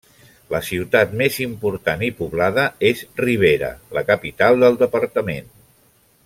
La ciutat més important i poblada és Rivera, la capital del departament.